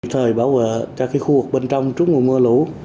thời bảo vệ cho khu vực bên trong trước mùa mưa lũ